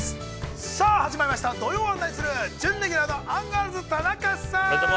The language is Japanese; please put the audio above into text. さあ始まりました、「土曜はナニする！？」、準レギュラーのアンガールズ・田中さん。